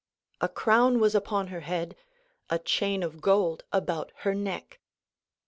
A crown was upon her head, a chain of gold about her neck.